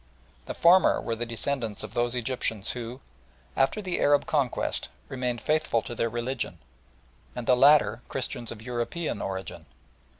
The former were the descendants of those Egyptians who, after the Arab conquest, remained faithful to their religion, and the latter Christians of European origin.